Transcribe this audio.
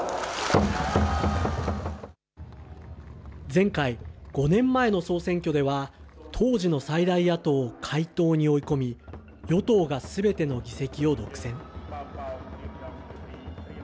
前回、５年前の総選挙では、当時の最大野党を解党に追い込み、与党がすべての議席を独占。